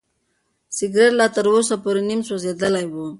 سګرټ لا تر اوسه پورې نیم سوځېدلی و.